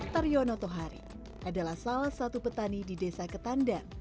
tarionoto hari adalah salah satu petani yang berada di desa ketanda